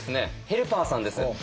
ヘルパーさんです。